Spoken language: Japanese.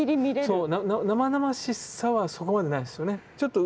そう生々しさはそこまでないんですよね。